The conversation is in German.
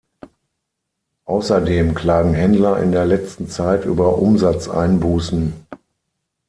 Außerdem klagen Händler in der letzten Zeit über Umsatzeinbußen.